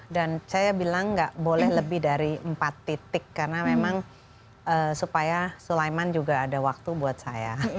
dan saya bilang nggak boleh lebih dari empat titik karena memang supaya sulaiman juga ada waktu buat saya